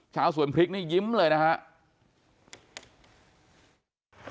ชาวสวนพริกนี่ยิ้มเลยนะครับ